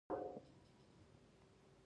هر تایید د کیفیت تضمین دی.